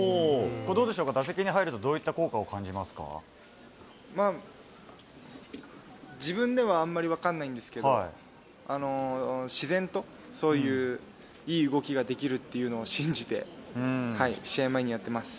どうでしょうか、打席に入る自分ではあんまり分かんないんですけど、自然と、そういういい動きができるっていうのを信じて、試合前にやってます。